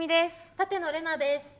舘野伶奈です。